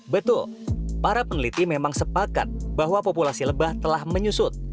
betul para peneliti memang sepakat bahwa populasi lebah telah menyusut